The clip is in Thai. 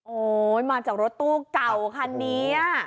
โอ้โหมาจากรถตู้เก่าคันนี้